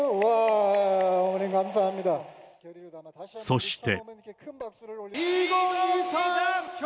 そして。